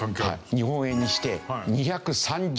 日本円にして２３０兆円